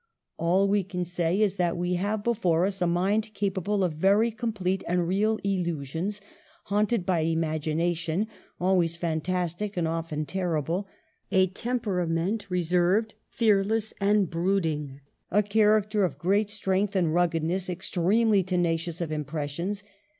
All we can say is that we have before us a mind capable of very complete and real illusions, haunted by imagination, always fantastic, and often terrible ; a temperament reserved, fearless, and brooding ; a character of great strength and ruggedness, extremely tenacious of impressions.